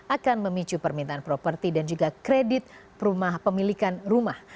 akan memicu permintaan properti dan juga kredit rumah pemilikan rumah